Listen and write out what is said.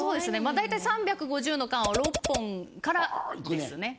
だいたい３５０の缶を６本からですね。